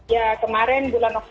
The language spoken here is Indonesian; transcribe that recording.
ya kemarin bulan oktober